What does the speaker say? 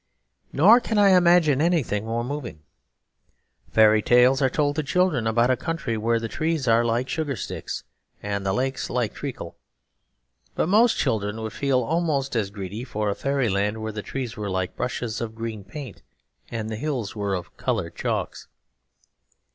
Nor can I imagine anything more moving. Fairy tales are told to children about a country where the trees are like sugar sticks and the lakes like treacle, but most children would feel almost as greedy for a fairyland where the trees were like brushes of green paint and the hills were of coloured chalks.